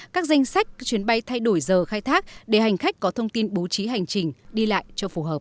các danh sách chuyến bay thay đổi giờ khai thác để hành khách có thông tin bố trí hành trình đi lại cho phù hợp